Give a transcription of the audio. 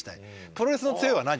プロレスの強いは何？